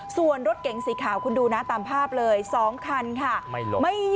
ส่วนรถเก๋งสีขาวคุณดูนะตามภาพเลย๒คันค่ะ